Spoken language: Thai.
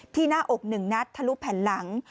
ที่หน้าอกหนึ่งนัดทะลุแผ่นหลัง